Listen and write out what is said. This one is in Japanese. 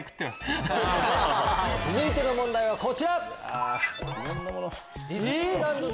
続いての問題はこちら！